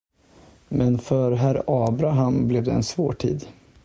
Men för herr Abraham blev det en svår tid.